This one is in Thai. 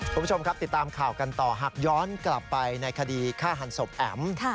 คุณผู้ชมครับติดตามข่าวกันต่อหากย้อนกลับไปในคดีฆ่าหันศพแอ๋ม